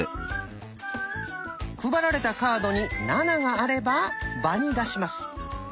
配られたカードに「７」があれば場に出します。